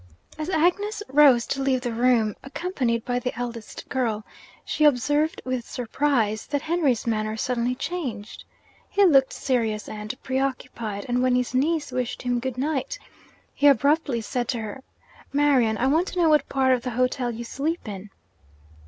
As Agnes rose to leave the room, accompanied by the eldest girl, she observed with surprise that Henry's manner suddenly changed. He looked serious and pre occupied; and when his niece wished him good night, he abruptly said to her, 'Marian, I want to know what part of the hotel you sleep in?'